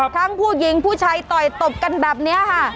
ทั้งผู้หญิงผู้ชายตอยตบกันแบบนี้